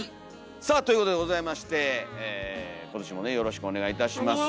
さあということでございまして今年もねよろしくお願いいたします。